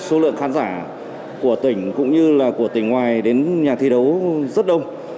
số lượng khán giả của tỉnh cũng như là của tỉnh ngoài đến nhà thi đấu rất đông